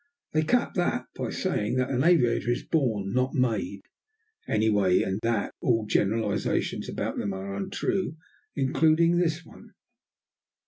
They cap that by saying that an aviator is born, not made, anyway, and that "all generalizations about them are untrue, including this one."